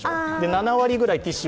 ７割ぐらいティッシュ